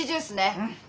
うん。